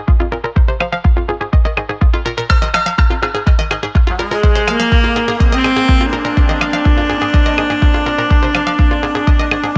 nanti renungin lagi ya